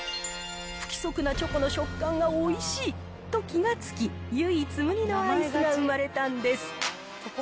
不規則なチョコの食感がおいしい！と気が付き、唯一無二のアイスが生まれたんです。